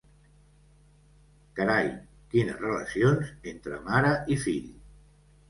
Carai, quines relacions entre mare i fill!